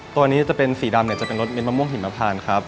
ตัวนี้จะเป็นสีดำเนี่ยจะเป็นรสมะม่วงหิมพานครับ